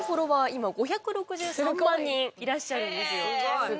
今５６３万人いらっしゃるんですよ。